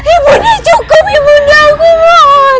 ibu nia cukup ibu nia aku mau